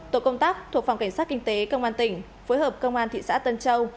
tổ công tác thuộc phòng cảnh sát kinh tế công an tỉnh phối hợp công an thị xã tân châu